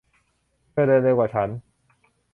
เธอเดินเร็วกว่าฉัน